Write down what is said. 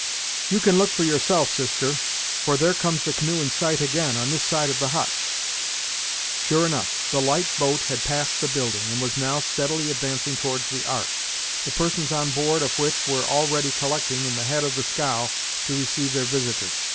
"You can look for yourself, sister, for there comes the canoe in sight, again, on this side of the hut." Sure enough, the light boat had passed the building, and was now steadily advancing towards the Ark; the persons on board of which were already collecting in the head of the scow to receive their visitor.